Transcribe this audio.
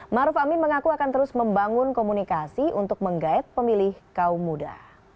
maruf amin mengaku akan terus membangun komunikasi untuk menggait pemilih kaum muda